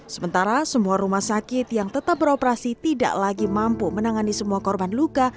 sementara semua rumah sakit yang tetap beroperasi tidak lagi mampu menangani semua korban luka